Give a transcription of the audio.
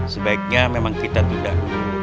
sebaiknya memang kita tidak